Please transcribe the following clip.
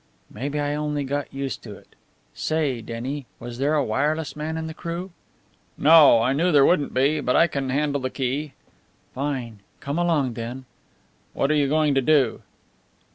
"Maybe I only got used to it. Say, Denny, was there a wireless man in the crew?" "No. I knew there wouldn't be. But I can handle the key." "Fine! Come along then." "What are you going to do?"